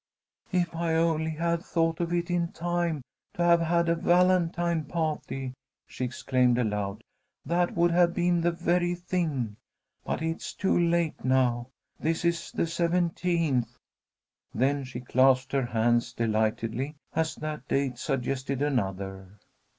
"If I only had thought of it in time to have had a Valentine pah'ty," she exclaimed aloud, "that would have been the very thing. But it is too late now. This is the seventeenth." Then she clasped her hands delightedly as that date suggested another.